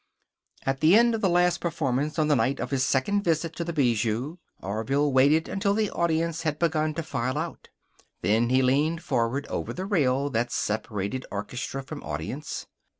At the end of the last performance on the night of his second visit to the Bijou, Orville waited until the audience had begun to file out. Then he leaned forward over the rail that separated orchestra from audience.